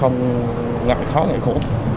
ngại khó ngại khổ